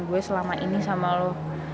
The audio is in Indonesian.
gue selama ini sama lo